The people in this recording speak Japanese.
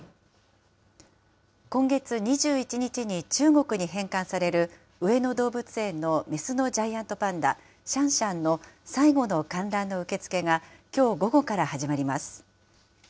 今月２１日に中国に返還される上野動物園の雌のジャイアントパンダ、シャンシャンの最後の観覧の受け付けがきょう午後から始まります。